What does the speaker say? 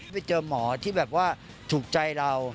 ไปเจอหมอที่ถูกใจเรา